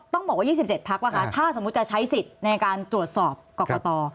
ต้องบอกว่า๒๗พักป่ะคะถ้าสมมุติจะใช้สิทธิ์ในการตรวจสอบกรกต